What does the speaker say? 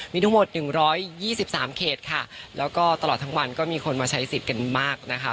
มีทั้งหมด๑๒๓เขตค่ะแล้วก็ตลอดทั้งวันก็มีคนมาใช้สิทธิ์กันมากนะคะ